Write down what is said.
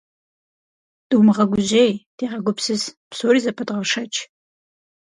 Думыгъэгужьей, дегъэгупсыс, псори зэпэдгъэшэч.